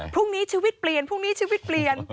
พรุ่งนี้ชีวิตเปลี่ยนพรุ่งนี้ชีวิตเปลี่ยน